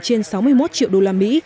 trên sáu mươi một triệu đô la mỹ